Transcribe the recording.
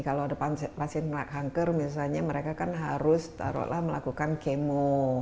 kalau ada pasien kanker misalnya mereka kan harus taruhlah melakukan kemo